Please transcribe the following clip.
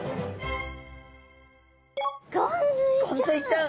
ゴンズイちゃん！